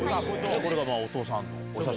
これがお父さんのお写真。